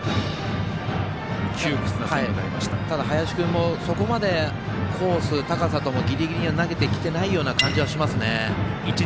ただ、林君もそこまでコース、高さともギリギリには投げてきてない感じがします。